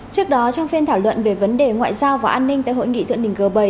trước đó trong phiên thảo luận về vấn đề ngoại giao và an ninh tại hội nghị thượng đỉnh g bảy